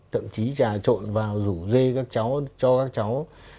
thậm chí trà trộn vào rủ dê các cháu cho các cháu